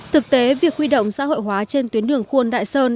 thực tế việc huy động xã hội hóa trên tuyến đường khuôn đại sơn